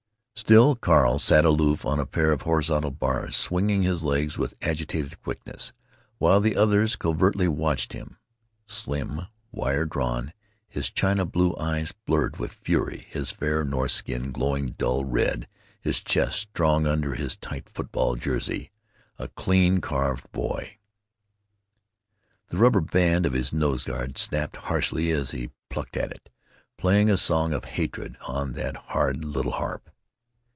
Still Carl sat aloof on a pair of horizontal bars, swinging his legs with agitated quickness, while the others covertly watched him—slim, wire drawn, his china blue eyes blurred with fury, his fair Norse skin glowing dull red, his chest strong under his tight football jersey; a clean carved boy. The rubber band of his nose guard snapped harshly as he plucked at it, playing a song of hatred on that hard little harp.